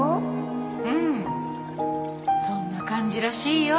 うんそんな感じらしいよ。